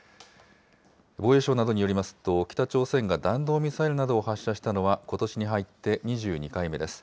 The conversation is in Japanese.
防衛省などによりますと、北朝鮮が弾道ミサイルなどを発射したのは、ことしに入って２２回目です。